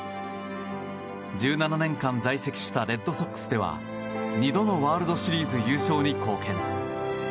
１７年間在籍したレッドソックスでは２度のワールドシリーズ優勝に貢献。